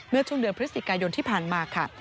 เมื่อช่วงเดือนพฤศจิกายนที่ผ่านมาค่ะ